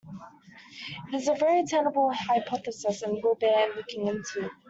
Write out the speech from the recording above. It is a very tenable hypothesis, and will bear looking into.